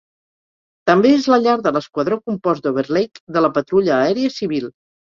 També és la llar de l'Esquadró Compost d'Overlake de la Patrulla Aèria Civil.